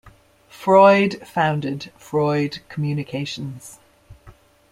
Freud founded Freud Communications.